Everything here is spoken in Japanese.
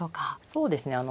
そうですね。